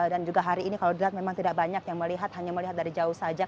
dan juga hari ini kalau dilihat memang tidak banyak yang melihat hanya melihat dari jauh saja